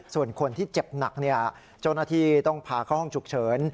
ส่วนคนที่เจ็บหนักเจ้าหน้าที่ต้องพาเข้าห้องฉุกเฉิน